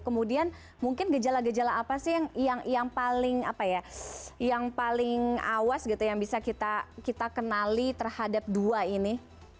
kemudian mungkin gejala gejala apa sih yang paling apa ya yang paling awas gitu yang bisa kita kenali terhadap dua ini